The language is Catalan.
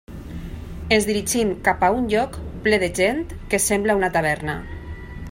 Ens dirigim cap a un lloc ple de gent que sembla una taverna.